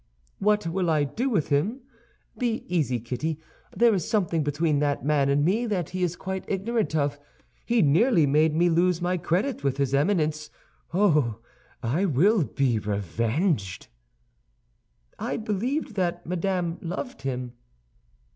"What will I do with him? Be easy, Kitty, there is something between that man and me that he is quite ignorant of: he nearly made me lose my credit with his Eminence. Oh, I will be revenged!" "I believed that Madame loved him."